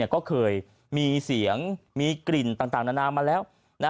ก็เคยมีเสียงมีกลิ่นต่างนานามาแล้ว